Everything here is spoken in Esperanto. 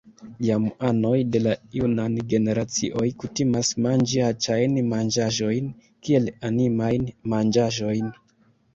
Jam anoj de la junaj generacioj kutimas manĝi aĉajn manĝaĵojn kiel “animajn manĝaĵojn.